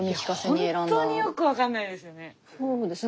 ほんとによく分かんないですよね。